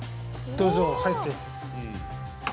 どうぞ入って。